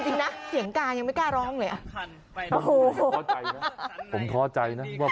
เราเหมือนไหน